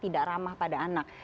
ada yang ramah pada anak